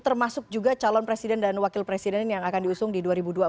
termasuk juga calon presiden dan wakil presiden yang akan diusung di dua ribu dua puluh empat